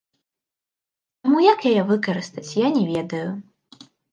Таму як яе выкарыстаць, я не ведаю.